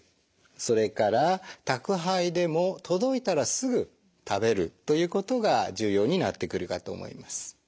それから宅配でも届いたらすぐ食べるということが重要になってくるかと思います。